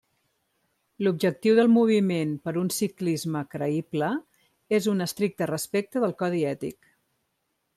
L'objectiu del Moviment per un ciclisme creïble és un estricte respecte del codi ètic.